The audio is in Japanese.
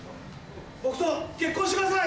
僕と結婚してください！